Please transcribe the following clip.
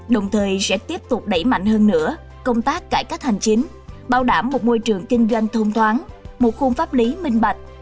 đồng thời sẽ tiếp tục đẩy mạnh hơn nữa công tác cải cách hành chính bảo đảm một môi trường kinh doanh thông thoáng một khung pháp lý minh bạch